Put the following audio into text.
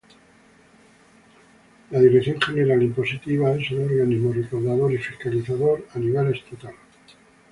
La Dirección General Impositiva es el organismo recaudador y fiscalizador a nivel estatal.